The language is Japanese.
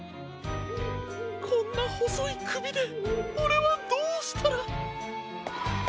こんなほそいくびでオレはどうしたら。